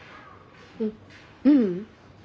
んううん。